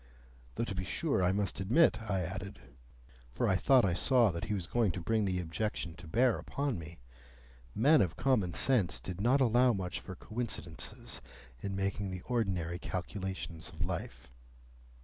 Though to be sure I must admit, I added (for I thought I saw that he was going to bring the objection to bear upon me), men of common sense did not allow much for coincidences in making the ordinary calculations of life.